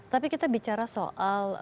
tapi kita bicara soal